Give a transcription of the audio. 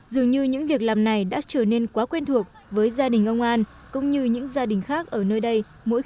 dường như những việc làm này đã trở nên quá quen thuộc với gia đình ông an cũng như những gia đình khác ở nơi đây mỗi khi